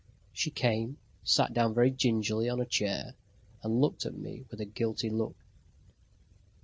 She came, sat down very gingerly on a chair, and looked at me with a guilty look.